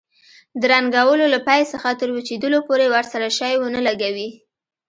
د رنګولو له پای څخه تر وچېدلو پورې ورسره شی ونه لګوئ.